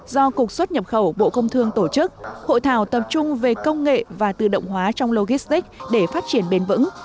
do cục xuất nhập khẩu bộ công thương tổ chức hội thảo tập trung về công nghệ và tự động hóa trong logistic để phát triển bền vững